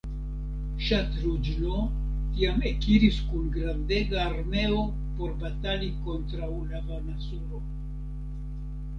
Ŝatrughno tiam ekiris kun grandega armeo por batali kontraŭ Lavanasuro.